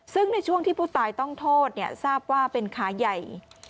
ซึ่งในช่วงที่ผู้ตายต้องโทษทราบว่าเป็นขาใหญ่